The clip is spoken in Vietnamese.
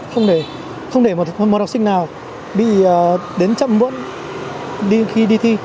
không để một học sinh nào bị đến chậm muộn khi đi thi